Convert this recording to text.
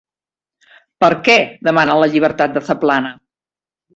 Per què demanen la llibertat de Zaplana?